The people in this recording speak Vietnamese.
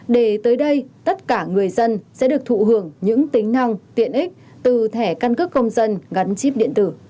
để tới đây tất cả người dân sẽ được thụ hưởng những tính năng tiện ích từ thẻ căn cước công dân gắn chip điện tử